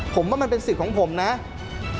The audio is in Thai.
ผมว่ามันเป็นสิทธิผมเนี่ย